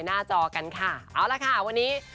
จอกันค่ะเอาละค่ะวันนี้